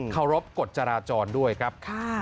เคารพกฎจราจรด้วยครับ